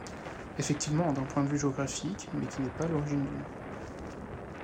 Effectivement d'un point de vue géographique mais qui n'est pas à l'origine du nom.